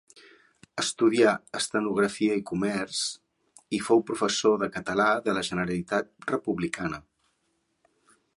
Estudià estenografia i comerç, i fou professor de català de la Generalitat Republicana.